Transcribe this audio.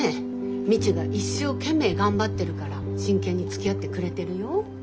未知が一生懸命頑張ってるから真剣につきあってくれてるよ。